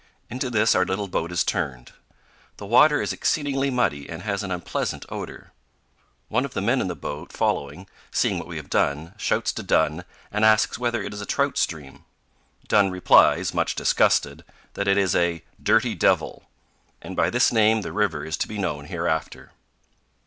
Into this our little boat is turned. The water is exceedingly muddy and has an unpleasant odor. One of the men in the boat following, seeing what we have done, shouts to 'Dunn and asks whether it is a trout stream. Dunn replies, much disgusted, that it is "a dirty devil," and by this name the river is to be known hereafter.